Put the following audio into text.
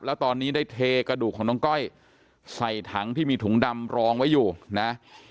แล้วตอนนี้ได้เทกระดูกของน้องก้อยใส่ถังที่มีถุงดำรองไว้อยู่นะ